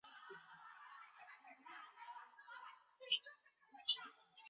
由阿尔及利亚支持的波利萨里奥阵线在与毛里塔尼亚和摩洛哥的战争中进行了斗争。